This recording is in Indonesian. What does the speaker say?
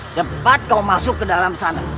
cepat kau masuk ke dalam sana